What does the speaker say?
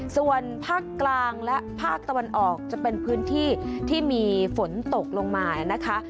ส่วนภาคกลางและภาคตะวันออกจะเป็นพื้นที่ที่มีฝนตกลงมานะคะ